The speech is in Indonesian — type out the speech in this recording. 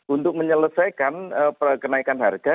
untuk menyelesaikan kenaikan harga